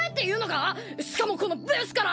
しかもこのブスから！